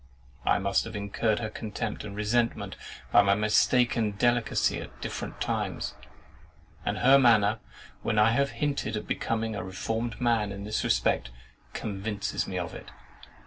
I must have incurred her contempt and resentment by my mistaken delicacy at different times; and her manner, when I have hinted at becoming a reformed man in this respect, convinces me of it.